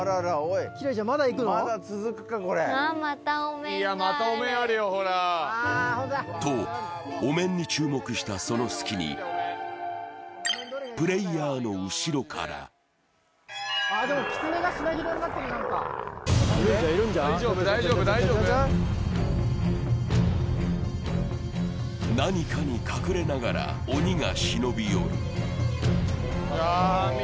まだ？と、お面に注目したその隙にプレーヤーの後ろから何かに隠れながら鬼が忍び寄る。